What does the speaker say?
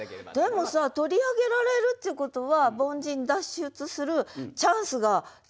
でもさ取り上げられるっていうことは凡人脱出するチャンスが手に入るっていうかさ。